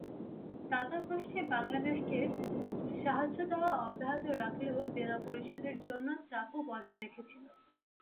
দাতাগোষ্ঠী বাংলাদেশকে সাহায্য দেওয়া অব্যাহত রাখলেও দেনা পরিশোধের জন্য চাপও বজায় রেখেছিল।